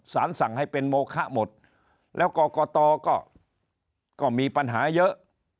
สั่งให้เป็นโมคะหมดแล้วกรกตก็มีปัญหาเยอะ